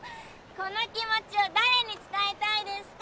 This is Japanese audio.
この気持ちを誰に伝えたいですか？